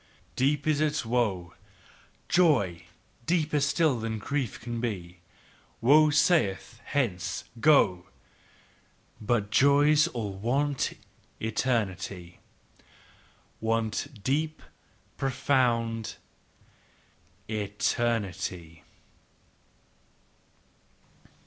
"Deep is its woe , "Joy deeper still than grief can be: "Woe saith: Hence! Go! "But joys all want eternity ," Want deep, profound eternity!"